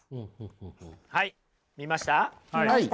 はい見ました？